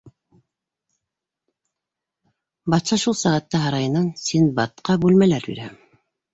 Батша шул сәғәттә һарайынан Синдбадҡа бүлмәләр бирә.